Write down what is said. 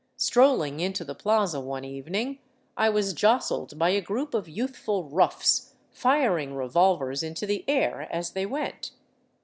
Strolling into the plaza one evening, I was jostled by a group of youthful roughs firing revolvers into the air as they went.